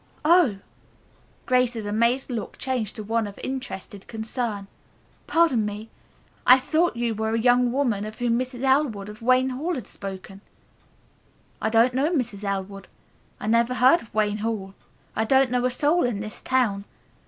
"Oh," Grace's amazed look changed to one of interested concern, "pardon me. I thought you were a young woman of whom Mrs. Elwood, of Wayne Hall, had spoken." "I don't know Mrs. Elwood. I never heard of Wayne Hall. I don't know a soul in this town.